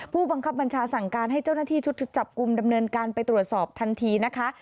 ผู้บังคับบัญชาสั่งการให้เจ้าหน้าที่ชุดจับกลุ่มดำเนินการไปตรวจสอบทันทีนะคะ